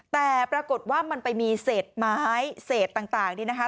แต่ปรากฏว่ามันไปมีเศษไม้เศษต่างนี่นะคะ